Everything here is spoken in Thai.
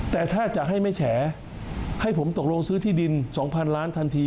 แต่ถ้าจะให้ไม่แฉให้ผมตกลงซื้อที่ดิน๒๐๐๐ล้านทันที